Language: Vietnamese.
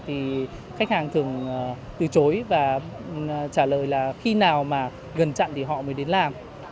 thì khách hàng thường từ chối và trả lời là khi nào mà gần chặn thì họ mới đến làm